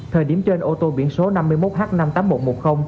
thời điểm trên ô tô biển số năm mươi một h năm mươi tám nghìn một trăm một mươi